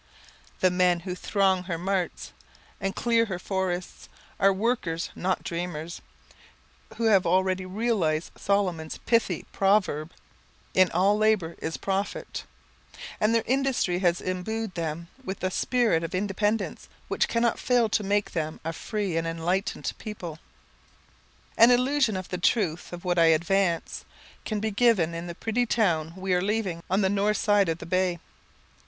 _ The men who throng her marts, and clear her forests, are workers, not dreamers, who have already realized Solomon's pithy proverb, "In all labour is profit;" and their industry has imbued them with a spirit of independence which cannot fail to make them a free and enlightened people. An illustration of the truth of what I advance, can be given in the pretty town we are leaving on the north side of the bay.